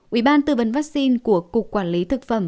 ủy ban tư vấn vaccine của cục quản lý thực phẩm